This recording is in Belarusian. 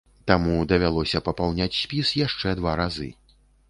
Таму давялося папаўняць спіс яшчэ два разы.